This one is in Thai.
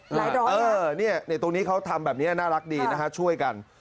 เออเนี่ยตรงนี้เขาทำแบบนี้น่ารักดีนะฮะช่วยกัน